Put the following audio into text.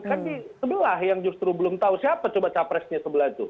kan di sebelah yang justru belum tahu siapa coba capresnya sebelah itu